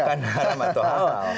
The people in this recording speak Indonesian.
bukan haram atau halal